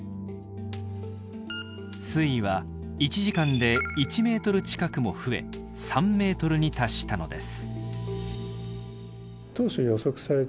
水位は１時間で１メートル近くも増え３メートルに達したのです。